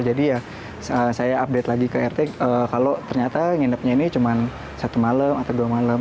ya saya update lagi ke rt kalau ternyata nginepnya ini cuma satu malam atau dua malam